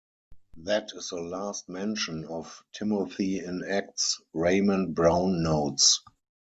"That is the last mention of Timothy in Acts", Raymond Brown notes.